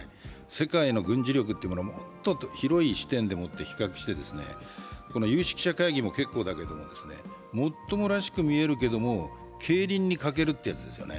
世界の軍事力をもっと広い視点で比較して有識者会議も結構だけどもっともらしく見えるけど経綸に欠けるというやつですね。